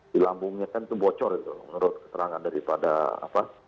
di lambungnya kan itu bocor itu menurut keterangan daripada apa